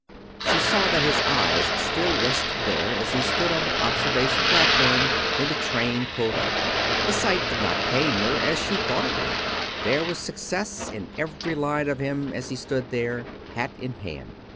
She saw that his eyes still rested there as he stood on the observation platform when the train pulled out. The sight did not pain her as she thought it would. There was success in every line of him as he stood there, hat in hand.